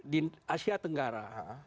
di asia tenggara